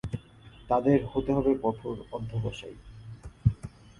তাদের হতে হবে কঠোর অধ্যবসায়ী।